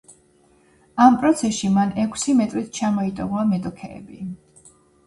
ამ პროცესში მან ექვსი მეტრით ჩამოიტოვა მეტოქეები.